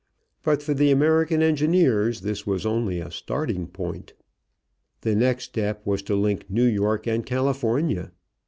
But for the American engineers this was only a starting point. The next step was to link New York and California.